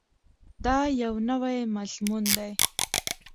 دا یو نوی مضمون دی.